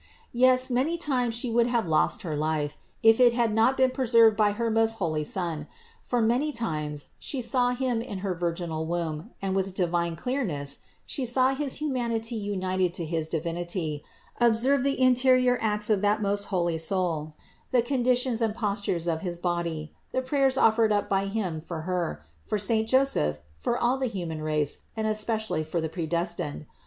Yes, many times would She have lost her life, if it had not been preserved by her most holy Son ; for many times She saw Him in her virginal womb and with divine clearness She saw his humanity united to his Divinity, observed the interior acts of that most holy Soul, the conditions and postures of his body, the prayers offered up by Him for Her, for saint Joseph, for all the human race and especially for the predestined.